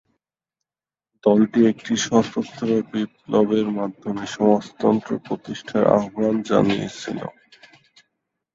দলটি একটি সশস্ত্র বিপ্লবের মাধ্যমে সমাজতন্ত্র প্রতিষ্ঠার আহ্বান জানিয়েছিল।